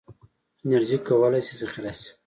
انرژي کولی شي ذخیره شي.